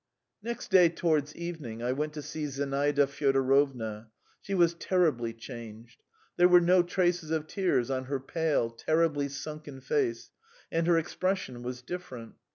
Next day towards evening I went to see Zinaida Fyodorovna. She was terribly changed. There were no traces of tears on her pale, terribly sunken face, and her expression was different.